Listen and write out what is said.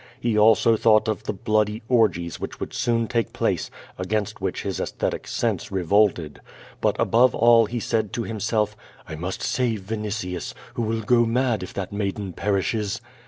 He also thought of the bloody orgies which would soon take place, against whicli his aesthetic sense revolted. But above all he said to himself, "I must save Vinitius, who will go mad if that maiden perishes."